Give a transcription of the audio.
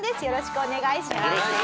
よろしくお願いします。